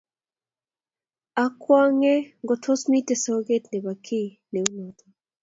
Akwongebngotos mitei soket nebo kiy neu noto